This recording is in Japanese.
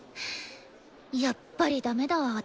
やっぱりダメだわ私。